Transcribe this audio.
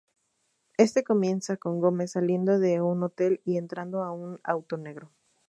Este comienza con Gomez saliendo de un hotel y entrando a un auto negro.